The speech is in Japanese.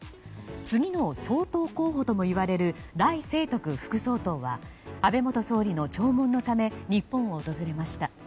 次の総統候補ともいわれるライ・セイトク副総裁は安倍元総理の弔問のため日本を訪れました。